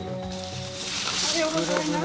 おはようございます。